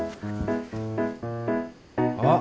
あっ！